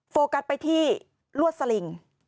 โฟกัสไปที่ลวดสลิง